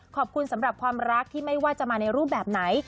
ขอบคุณสำหรับความรักที่ไม่ว่าจะมาในรูปแบบไหน